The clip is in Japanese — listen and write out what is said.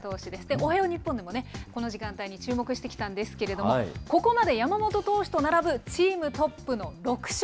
おはよう日本でもこの時間帯に注目してきたんですけれども、ここまで山本投手と並ぶチームトップの６勝。